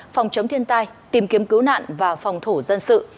phòng chống thiên tai tìm kiếm cứu nạn và phòng thủ dân sự